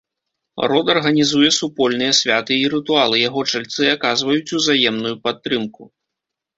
Род арганізуе супольныя святы і рытуалы, яго чальцы аказваюць узаемную падтрымку.